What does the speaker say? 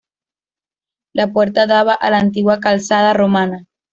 La puerta daba a la antigua calzada romana.